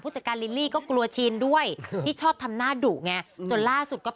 ผู้จัดการลิลลี่ได้กลัวชิ้นด้วยที่ชอบทำหน้าดู่ไง